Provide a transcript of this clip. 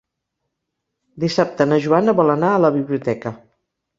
Dissabte na Joana vol anar a la biblioteca.